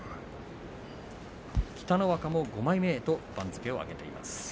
北の若も５枚目と番付を上げています。